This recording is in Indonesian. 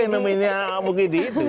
yes kemudian mugidi